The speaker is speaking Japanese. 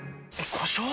故障？